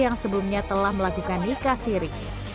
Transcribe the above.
yang sebelumnya telah melakukan nikah siri